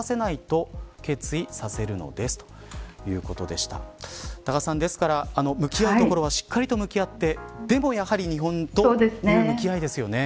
あらためて多賀さん、ですから向き合うところはしっかりと向き合ってでも、やはり日本と向き合いですよね。